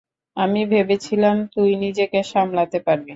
আমি ভেবেছিলাম তুই নিজেকে সামলাতে পারবি।